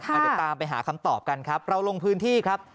เดี๋ยวตามไปหาคำตอบกันครับเราลงพื้นที่ครับ